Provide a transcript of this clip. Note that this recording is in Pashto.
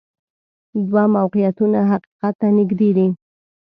دوه موقعیتونه حقیقت ته نږدې دي.